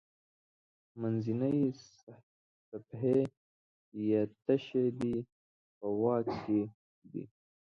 منځنۍ صفحې یې تشې دي په واک کې دي.